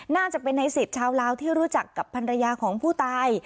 น่าจะเป็นในสิทธิ์ชาวลาวที่รู้จักกับภรรยาของผู้ตาย